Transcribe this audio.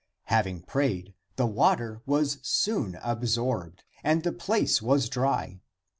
Having prayed, the water was soon absorbed, and the place was dry.